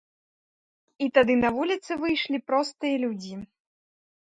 І тады на вуліцы выйшлі простыя людзі.